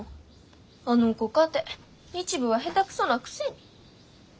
あの子かて日舞は下手くそなくせに。